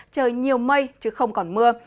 chơi nhiều mây chứ không còn mưa